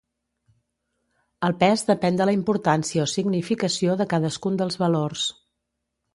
El pes depèn de la importància o significació de cadascun dels valors.